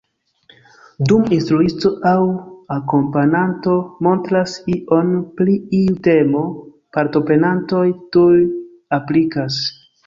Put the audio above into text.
Dum instruisto aŭ akompananto montras ion pri iu temo, partoprenantoj tuj aplikas.